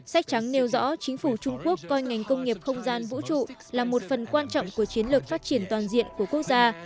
sách trắng nêu rõ chính phủ trung quốc coi ngành công nghiệp không gian vũ trụ là một phần quan trọng của chiến lược phát triển toàn diện của quốc gia